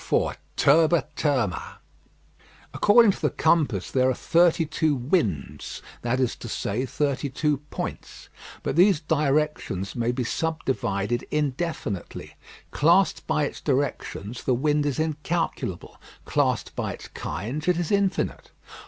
IV TURBA TURMA According to the compass there are thirty two winds, that is to say, thirty two points. But these directions may be subdivided indefinitely. Classed by its directions, the wind is incalculable; classed by its kinds, it is infinite.